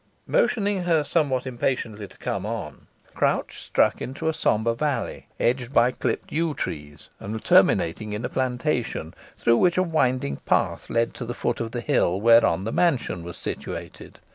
Motioning her somewhat impatiently to come on, Crouch struck into a sombre alley, edged by clipped yew trees, and terminating in a plantation, through which a winding path led to the foot of the hill whereon the mansion was situated.